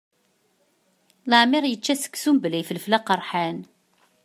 Laεmeṛ yečča seksu mbla ifelfel aqerḥan.